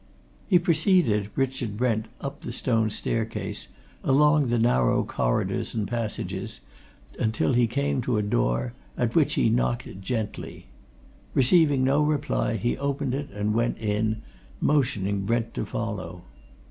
He preceded Richard Brent up the stone staircase, along narrow corridors and passages, until he came to a door, at which he knocked gently. Receiving no reply he opened it and went in, motioning Brent to follow.